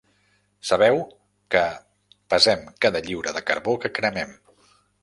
Sabeu que pesem cada lliura de carbó que cremem.